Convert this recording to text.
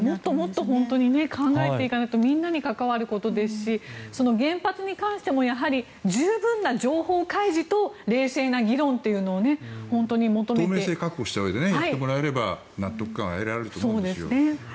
もっともっと考えていかないとみんなに関わることですし原発に関しても十分な情報開示と冷静な議論というものを透明性を確保したうえでやってもらえれば納得感を得られると思うんです。